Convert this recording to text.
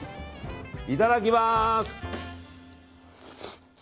いただきます！